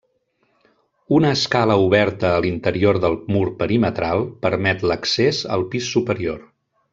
Una escala oberta a l'interior del mur perimetral permet l'accés al pis superior.